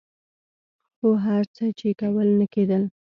خو هر څه یې چې کول نه کېدل.